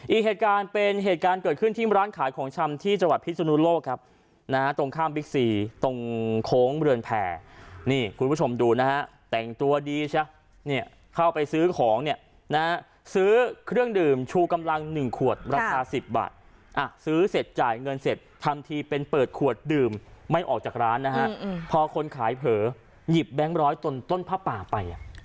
อีกเหตุการณ์เป็นเหตุการณ์เกิดขึ้นที่ร้านขายของชำที่จังหวัดพิศนุโลกครับนะฮะตรงข้ามบิ๊กซีตรงโค้งเรือนแผ่นี่คุณผู้ชมดูนะฮะแต่งตัวดีซะเนี่ยเข้าไปซื้อของเนี่ยนะฮะซื้อเครื่องดื่มชูกำลังหนึ่งขวดราคา๑๐บาทอ่ะซื้อเสร็จจ่ายเงินเสร็จทำทีเป็นเปิดขวดดื่มไม่ออกจากร้านนะฮะพอคนขายเผลอหยิบแบงค์ร้อยตนต้นผ้าป่าไป